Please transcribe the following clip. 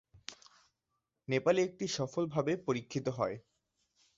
নেপালে এটি সফলভাবে পরীক্ষিত হয়।